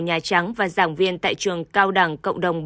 nhà trắng và giảng viên tại trường cao đẳng cộng đồng